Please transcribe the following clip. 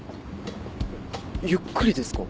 ゆっくりですか？